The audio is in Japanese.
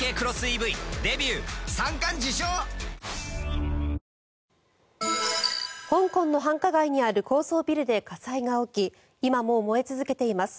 東京海上日動香港の繁華街にある高層ビルで火災が起き今も燃え続けています。